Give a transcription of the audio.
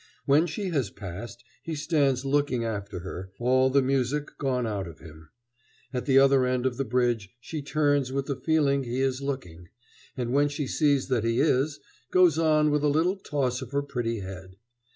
When she has passed he stands looking after her, all the music gone out of him. At the other end of the bridge she turns with the feeling that he is looking, and, when she sees that he is, goes on with a little toss of her pretty head.